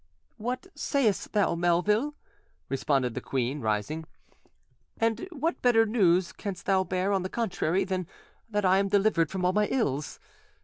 "What sayest thou, Melville?" responded the queen, rising; "and what better news canst thou bear, on the contrary, than that I am delivered from all my ills?